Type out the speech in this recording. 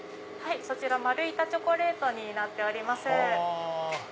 そちら丸板チョコレートになってます。